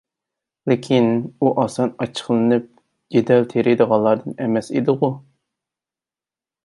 لېكىن، ئۇ ئاسان ئاچچىقلىنىپ، جېدەل تېرىيدىغانلاردىن ئەمەس ئىدىغۇ؟